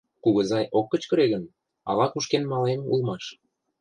Кугызай ок кычкыре гын, ала-кушкен малем улмаш.